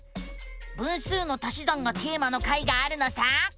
「分数の足し算」がテーマの回があるのさ！